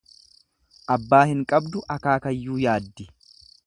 Abbaa hin qabdu akaakayyuu yaaddi.